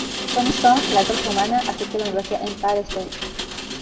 Johnny Storm, la Antorcha Humana, asistió a la Universidad Empire State.